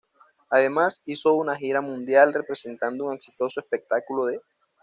Además, hizo una gira mundial representando un exitoso espectáculo de.